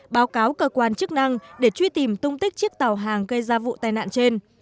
báo cáo cơ quan chức năng để truy tìm tung tích chiếc tàu hàng gây ra vụ tai nạn trên